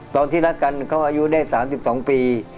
ตอนที่รักกันเขาอายุได้๓๒ปี